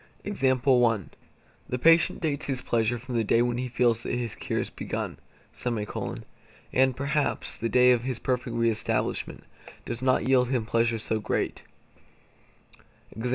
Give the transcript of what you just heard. The patient dates his pleasure from the day when he feels that his cure has begun; and, perhaps, the day of his perfect re establishment does not yield him pleasure so great.